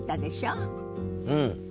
うん。